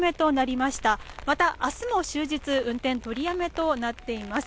また明日も終日運転取りやめとなっています。